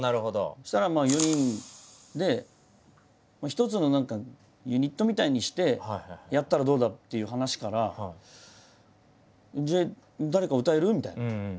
そしたらまあ４人で一つの何かユニットみたいにしてやったらどうだっていう話からじゃあ誰か歌える？みたいな。